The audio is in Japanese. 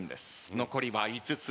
残りは５つ。